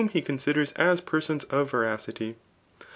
he eonsiders as persons of veracity.